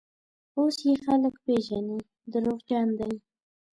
اوس یې خلک پېژني: دروغجن دی.